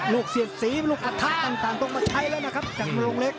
ลูกเสียดสีลูกอาทานต่างต่างต้องมาใช้แล้วนะครับจักรนรงเล็ก